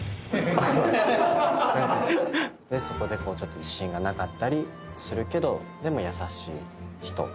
そこでちょっと自信がなかったりするけどでも優しい人。